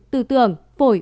tư tưởng phổi